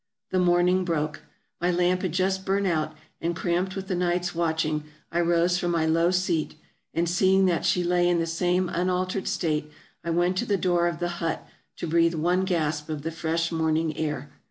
The morning broke ; my lamp had just burnt out, and, cramped with the night's watching, I rose from my low seat, and, seeing that she lay in the same unaltered state, I went to the door of the hut to breathe one gasp of the fresh morning air.